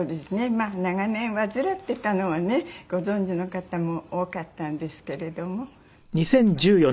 まあ長年患ってたのはねご存じの方も多かったんですけれどもまあ割と。